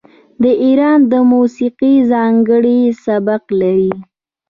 د ایران موسیقي ځانګړی سبک لري.